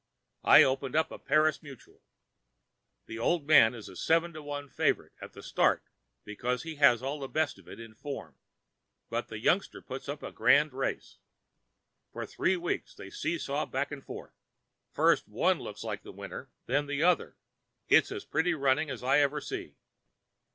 I open up a Paris mutuel. The old man is a seven to one favorite at the start because he had all the best of it on form, but the youngster puts up a grand race. For three weeks they seesaw back and forth. First one looks like a winner, then the other. It's as pretty running as I ever see.